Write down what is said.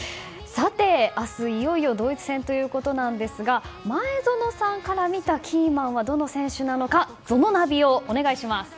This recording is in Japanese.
明日、いよいよドイツ戦なんですが前園さんから見たキーマンはどの選手なのかＺＯＮＯナビをお願いします。